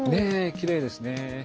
きれいですね。